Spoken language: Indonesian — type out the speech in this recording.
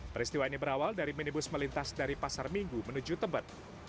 peristiwa ini berawal dari minibus melintas dari pasar minggu menuju tebet